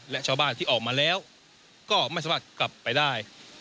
และชาวบ้านที่ออกมาแล้วก็ไม่สามารถกลับไปได้